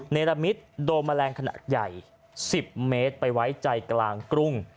เนรมิตโดมแมลงขนาดใหญ่๑๐เมตรไปไว้ใจกลางกรุง